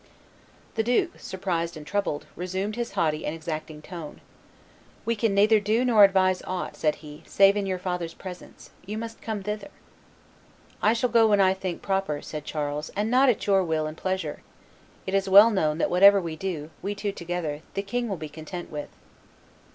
The duke, surprised and troubled, resumed his haughty and exacting tone: "We can neither do nor advise aught," said he, "save in your father's presence; you must come thither." "I shall go when I think proper," said Charles, "and not at your will and pleasure; it is well known that whatever we do, we two together, the king will be content therewith."